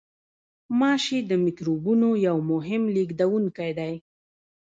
غوماشې د میکروبونو یو مهم لېږدوونکی دي.